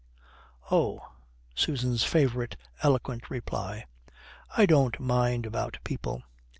"Oh." (Susan's favourite eloquent reply.) "I don't mind about people."